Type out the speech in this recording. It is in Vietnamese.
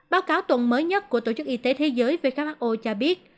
báo cáo tuần mới nhất của tổ chức y tế thế giới who cho biết